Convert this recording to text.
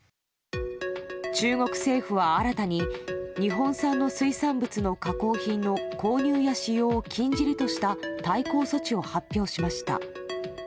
中国政府は新たに、日本産の水産物の加工品の購入や使用を禁じるとした対抗措置を発表しました。